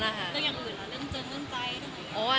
แต่อย่างอื่นอ่ะเรื่องเจนเรื่องใจ